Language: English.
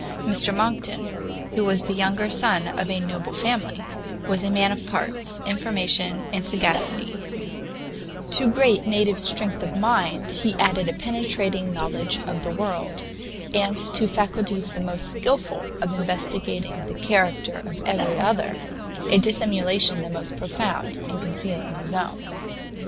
Mr Monckton, who was the younger son of a noble family, was a man of parts, information and sagacity; to great native strength of mind he added a penetrating knowledge of the world, and to faculties the most skilful of investigating the character of every other, a dissimulation the most profound in concealing his own.